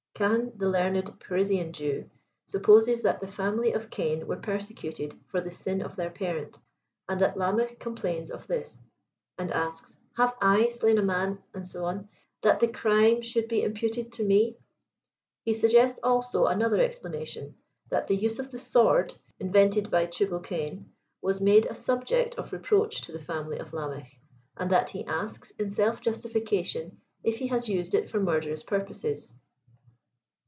Cahen, the learned Parisian Jew, supposes that the family of Cain were persecuted for the sin of their parent, and that Lamech complains of this and asks, '^ Have I slain a man," &c., '^ that the crime should be imputed to me VK He suggests also another explanation^ that the use of the sword, invented by Tubal Cain, was made a subject of reproach to the &imily of Lamech, and that he asks, in self justification, if he has used it for murderous purposes.